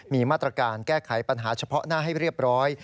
มีมาตรการแก้ไขปัญหาเฉพาะหน้าให้เรียบร้อย